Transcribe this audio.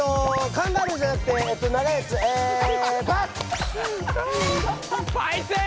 カンガルーじゃなくてパイセン！